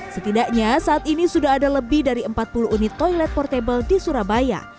setidaknya saat ini sudah ada lebih dari empat puluh unit toilet portable di surabaya